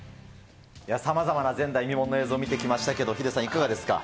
さまざまな前代未聞の映像を見てきましたけれども、ヒデさん、いかがですか。